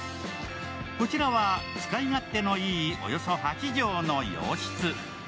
こちらは使い勝手のいいおよそ８畳の洋室。